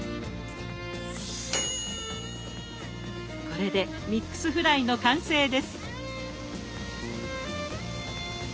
これでミックスフライの完成です。